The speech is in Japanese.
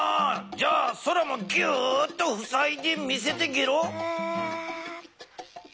じゃあそらもギューッとふさいで見せてゲロ。